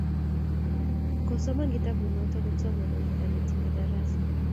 Kosoman kitabut noto kotomo koit kanetindet tarasa